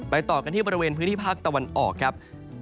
ต่อกันที่บริเวณพื้นที่ภาคตะวันออกครับ